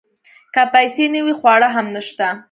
که پیسې نه وي خواړه هم نشته .